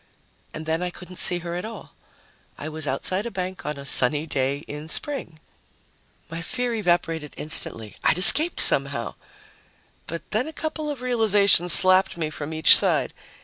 And then I couldn't see her at all. I was outside a bank on a sunny day in spring. My fear evaporated instantly I'd escaped somehow! But then a couple of realizations slapped me from each side.